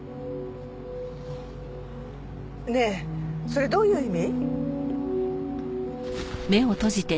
ねえそれどういう意味？